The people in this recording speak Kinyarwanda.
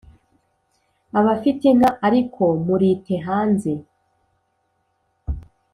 Abafite inka ariko murite hanze: